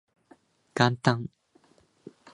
元旦